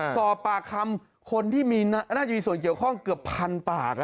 สอบปากคำคนที่น่าจะมีส่วนเกี่ยวข้องเกือบพันปาก